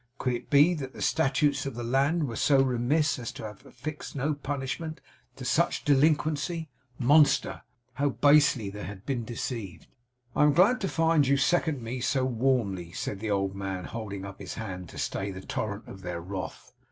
Could it be that the statutes of the land were so remiss as to have affixed no punishment to such delinquency? Monster; how basely had they been deceived! 'I am glad to find you second me so warmly,' said the old man holding up his hand to stay the torrent of their wrath.